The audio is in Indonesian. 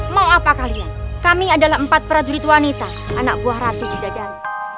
mau apa kalian kami adalah empat prajurit wanita anak buah ratu juga dan